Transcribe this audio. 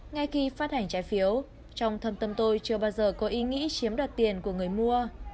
ngay khi phát hành trái phiếu trong thâm tâm tôi chưa bao giờ có ý nghĩa chiếm đoạt tiền của người mua